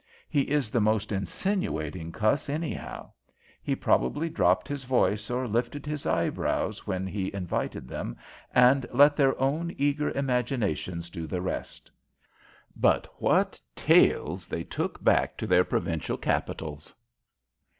He is the most insinuating cuss, anyhow. He probably dropped his voice or lifted his eyebrows when he invited them, and let their own eager imaginations do the rest. But what tales they took back to their provincial capitals!